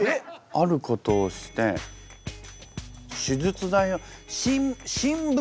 あることをして手術代。